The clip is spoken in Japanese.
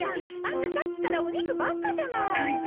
アンタさっきからお肉ばっかじゃない。